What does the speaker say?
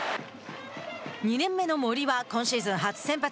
２年目の森は、今シーズン初先発。